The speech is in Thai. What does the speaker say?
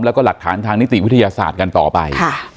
แล้วก็หลักฐานทางนิติวิทยาศาสตร์กันต่อไป